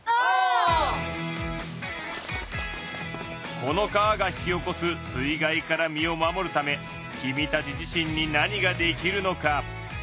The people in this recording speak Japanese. この川が引き起こす水害から身を守るためキミたち自身に何ができるのか？